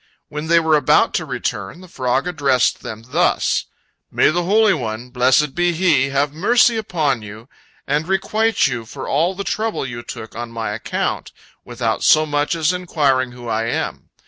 When they were about to return, the frog addressed them thus: "May the Holy One, blessed be He, have mercy upon you, and requite you for all the trouble you took on my account, without so much as inquiring who I am.